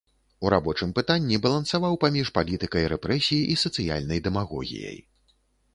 У рабочым пытанні балансаваў паміж палітыкай рэпрэсій і сацыяльнай дэмагогіяй.